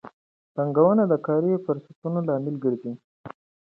پانګونه د کاري فرصتونو لامل ګرځي.